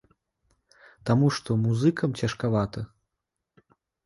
Таму што музыкам цяжкавата.